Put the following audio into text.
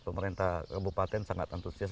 pemerintah kabupaten sangat antusias